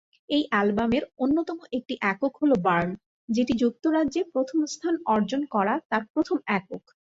এই অ্যালবামের অন্যতম একটি একক হলো "বার্ন", যেটি যুক্তরাজ্যে প্রথম স্থান অর্জন করা তার প্রথম একক।